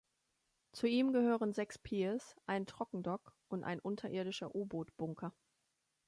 Zu ihm gehören sechs Piers, ein Trockendock und ein unterirdischer U-Boot-Bunker.